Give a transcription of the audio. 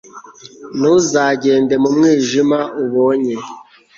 ntuzagenda mu mwijima, ubonye